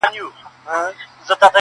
چي هر څوک مي کړي مېلمه ورته تیار یم.!